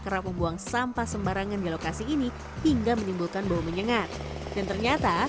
kerap membuang sampah sembarangan di lokasi ini hingga menimbulkan bau menyengat dan ternyata